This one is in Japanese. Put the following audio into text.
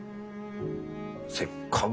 せっかぐ